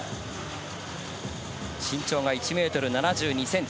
身長が１ｍ７２ｃｍ。